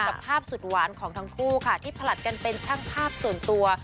ภาพสุดหวานของทั้งคู่ค่ะที่ผลัดกันเป็นช่างภาพส่วนตัว